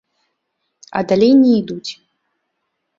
А далей не ідуць.